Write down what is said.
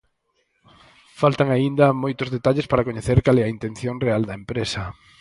Faltan aínda moitos detalles para coñecer cal é a intención real da empresa.